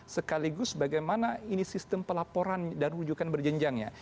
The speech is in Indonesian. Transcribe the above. sekaligus bagaimana ini sistem pelaporan dan rujukan berjenjangnya